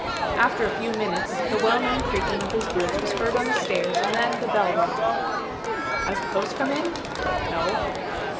After a few minutes, the well known creaking of his boots was heard on the stairs, and then the bell rung. 'Has the post come in?' 'No.